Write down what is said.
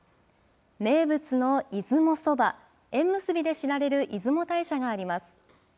名物の出雲そば、縁結びで知られる出雲大社があります。